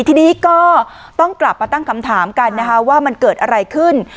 ทีนี้ก็ต้องกลับมาตั้งคำถามกันนะคะว่ามันเกิดอะไรขึ้น